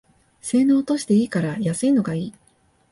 性能落としていいから安いのがいい